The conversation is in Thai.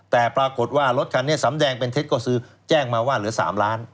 แต่ปรากฏว่ารถคันนี้สำแดงเป็นเท็จก็คือแจ้งมาว่าเหลือ๓ล้าน